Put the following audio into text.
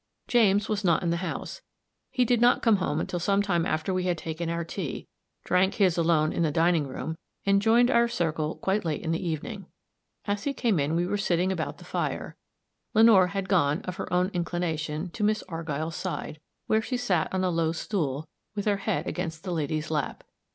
James was not in the house; he did not come home until some time after we had taken our tea drank his alone in the dining room and joined our circle quite late in the evening. As he came in we were sitting about the fire. Lenore had gone, of her own inclination, to Miss Argyll's side, where she sat on a low stool, with her head against the lady's lap.